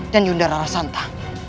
dan yundarara santang